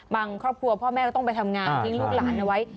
ครอบครัวพ่อแม่ก็ต้องไปทำงานทิ้งลูกหลานเอาไว้